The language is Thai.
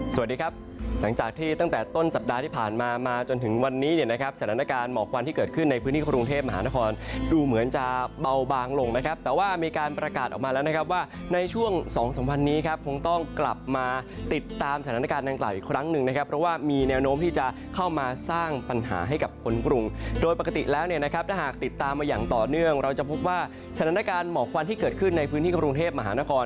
สวัสดีครับหลังจากที่ตั้งแต่ต้นสัปดาห์ที่ผ่านมามาจนถึงวันนี้เนี่ยนะครับสถานการณ์เหมาะควันที่เกิดขึ้นในพื้นที่กรุงเทพมหานครดูเหมือนจะเบาบางลงนะครับแต่ว่ามีการประกาศออกมาแล้วนะครับว่าในช่วงสองสังพันธ์นี้ครับคงต้องกลับมาติดตามสถานการณ์ดังไกลอีกครั้งหนึ่งนะครับเพราะว่ามีแนวโน้ม